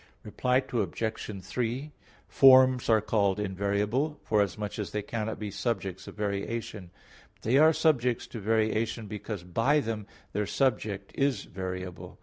Reply Obj. 3: Forms are called invariable, forasmuch as they cannot be subjects of variation; but they are subject to variation because by them their subject is variable.